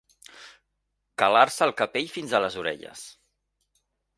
Calar-se el capell fins a les orelles.